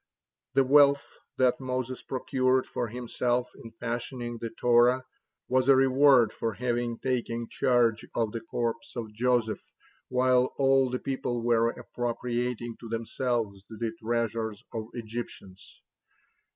The wealth that Moses procured for himself in fashioning the Torah, was a reward for having taken charge of the corpse of Joseph while all the people were appropriating to themselves the treasures of Egyptians.